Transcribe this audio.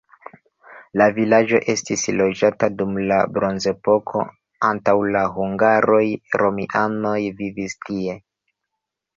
La vilaĝo estis loĝata dum la bronzepoko, antaŭ la hungaroj romianoj vivis tie.